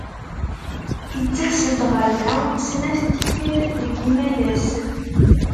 Ittas-d ɣer da snat n tikal deg yimalas.